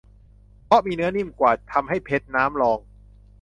เพราะมีเนื้อนิ่มกว่า ทำให้เพชรน้ำรอง